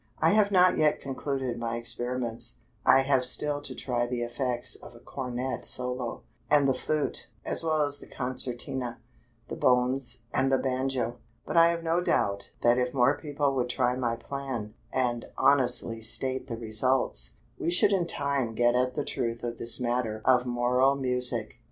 I have not yet concluded my experiments. I have still to try the effects of a cornet solo; and the flute, as well as the concertina, the bones, and the banjo. But I have no doubt that if more people would try my plan, and honestly state the results, we should in time get at the truth of this matter of moral music.